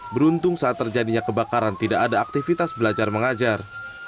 beruntung saat terjadinya kebakaran tidak ada aktivitas belajar mengajar